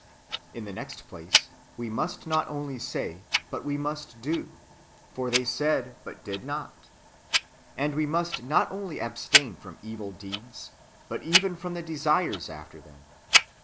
In the next place, [we must] not only say, but we must do ; for they said, but did not. And [we must] not only abstain from evil deeds, but even from the desires after them.